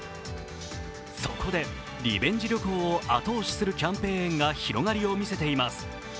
そこでリベンジ旅行を後押しするキャンペーンが広がりを見せています。